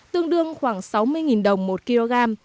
tương đương khoảng sáu mươi đồng một kg